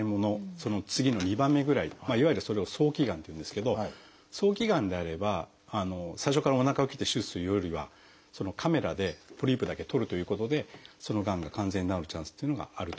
その次の２番目ぐらいいわゆるそれを早期がんっていうんですけど早期がんであれば最初からおなかを切って手術するよりはカメラでポリープだけ取るということでそのがんが完全に治るチャンスというのがあるということなんですよね。